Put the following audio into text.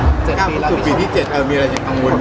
เจ้าค่ะสุดปีที่๗มีอะไรอย่างข้างบน